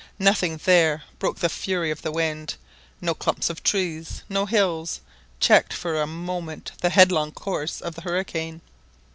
Nothing there broke the fury of the wind; no clumps of trees, no hills, checked for a moment the headlong course of the hurricane.